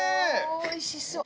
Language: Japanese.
おいしそう！